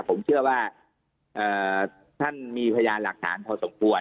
ผมเชื่อว่าท่านมีพยานหลักฐานพอสมควร